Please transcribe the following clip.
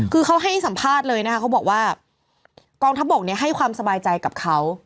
คือเขาให้สัมภาษณ์เลยนะคะเขาบอกว่ากองทัพบกเนี่ยให้ความสบายใจกับเขา